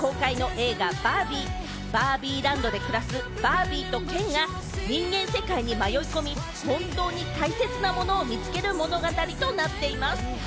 映画はバービーランドで暮らすバービーとケンが人間世界に迷い込み、本当に大切なものを見つける物語となっています。